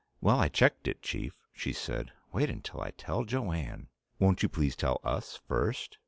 "Well, I checked it, Chief," she said. "Wait until I tell Jo Anne!" "Won't you please tell us first?"